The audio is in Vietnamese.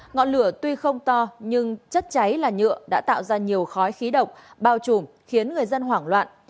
ngọn lửa tuy không to nhưng chất cháy là nhựa đã tạo ra nhiều khói khí độc bao trùm khiến người dân hoảng loạn